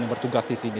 yang bertugas di sini